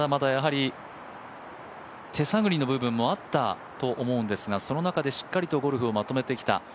やっぱり、手探りの部分もあったと思うんですがその中でしっかりとゴルフをまとめてきた